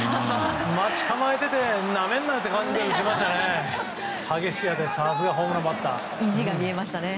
待ち構えていてなめんなよ！という感じで打ちましたね。